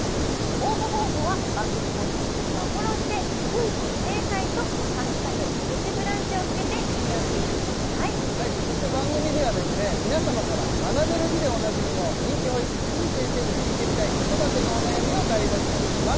応募方法は番組公式Ｔｗｉｔｔｅｒをフォローしてクイズの正解と「＃プチブランチ」をつけて引用ツイートしてくださいそして番組では皆様から学べる日でおなじみの人気保育士てぃ先生に聞いてみたい子育てのお悩みを大募集します